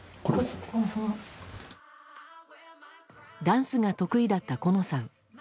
ダンスが得意だった好乃さん。